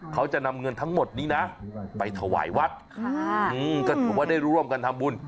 เขาจะนำเงินทั้งหมดนี้นะไปถวายวัดก็ถือว่าได้ร่วมกันทำบุญ